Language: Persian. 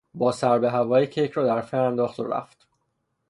با سر به هوایی کیک را در فر انداخت و رفت.